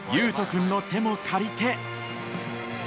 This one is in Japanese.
君の手も借りて。